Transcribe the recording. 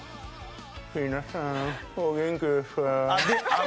皆さんお元気ですか？